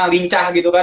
lincah gitu kan